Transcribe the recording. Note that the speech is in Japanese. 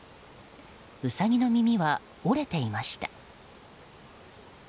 ウサギの耳は折れていました。